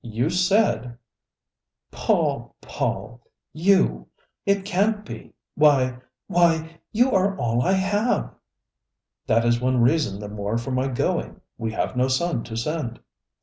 I you said " "Paul, Paul! You! It can't be! Why why, you are all I have!" "That is one reason the more for my going we have no son to send."